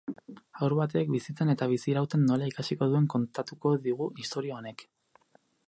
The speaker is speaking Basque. Haur batek bizitzen eta bizirauten nola ikasiko duen kontatuko digu istorio honek.